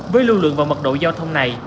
với lưu lượng và mật độ giao thông này